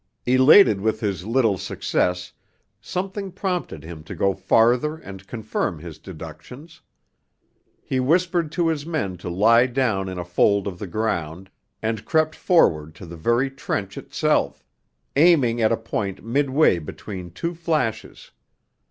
Elated with his little success, something prompted him to go farther and confirm his deductions. He whispered to his men to lie down in a fold of the ground, and crept forward to the very trench itself, aiming at a point midway between two flashes.